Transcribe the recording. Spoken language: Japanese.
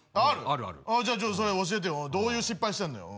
あるあるじゃあちょっとそれ教えてよどういう失敗してんのよ